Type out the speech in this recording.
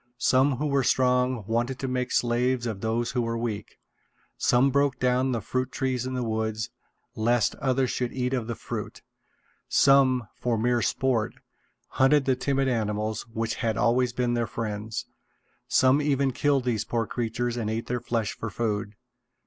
Some who were strong wanted to make slaves of those who were weak. Some broke down the fruit trees in the woods, lest others should eat of the fruit. Some, for mere sport, hunted the timid animals which had always been their friends. Some even killed these poor creatures and ate their flesh for food.